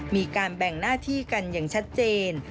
มีการแบ่งหน้าที่กันอย่างชัดเจน